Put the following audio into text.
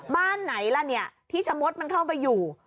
บ้านไหนล่ะเนี่ยที่ชะมดมันเข้าไปอยู่